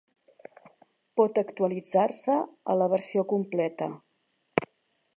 Pot actualitzar-se a la versió completa.